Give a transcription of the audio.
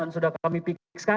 sudah kami pikirkan